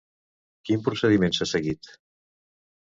Quin procediment s'ha seguit?